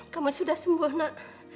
kamu sudah sembuh nak